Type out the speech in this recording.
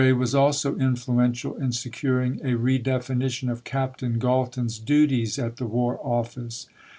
Lord de Grey was also influential in securing a redefinition of Captain Galton's duties at the War Office.